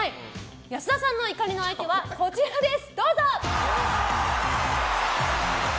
安田さんの怒りの相手はこちらです！